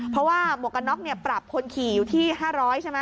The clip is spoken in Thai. เพราะว่าหมวกกันน็อกปรับคนขี่อยู่ที่๕๐๐ใช่ไหม